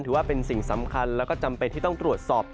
ถือว่าเป็นสิ่งสำคัญแล้วก็จำเป็นที่ต้องตรวจสอบ